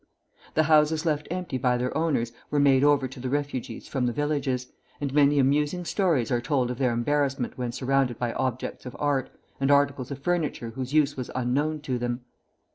The houses left empty by their owners were made over to the refugees from the villages, and many amusing stories are told of their embarrassment when surrounded by objects of art, and articles of furniture whose use was unknown to them.